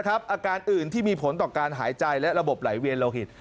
อาการอื่นที่มีผลต่อการหายใจและระบบไหลเวียนโลหิต